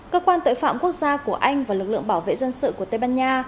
cơ quan tội phạm quốc gia của anh và lực lượng bảo vệ dân sự của tây ban nha